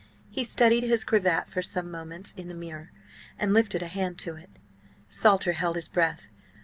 He studied his cravat for some moments in the mirror, and lifted a hand to it. Salter held his breath.